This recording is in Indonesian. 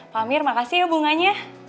pak amir makasih ya bunganya